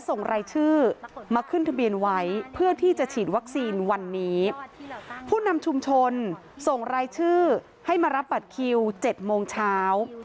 ส่งรายชื่อให้มารับบัตรคิว๗โมงเช้า